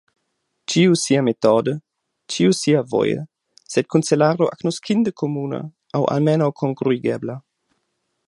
Ĉiu siametode, ĉiu siavoje, sed kun celaro agnoskinde komuna, aŭ almenaŭ kongruigebla.